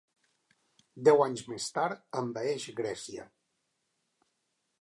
Deu anys més tard envaeix Grècia.